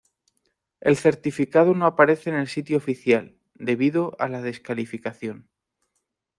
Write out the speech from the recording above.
El certificado no aparece en el sitio oficial, debido a la descalificación.